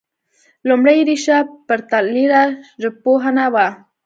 لومړۍ ريښه پرتلیره ژبپوهنه وه